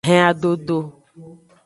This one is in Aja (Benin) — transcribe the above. Hen adodo.